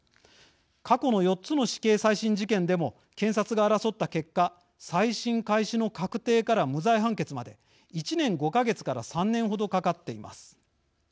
過去の４つの死刑再審事件でも検察が争った結果再審開始の確定から無罪判決まで１年５か月から３年ほどかかっています。